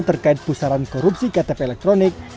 terkait pusaran korupsi ktp elektronik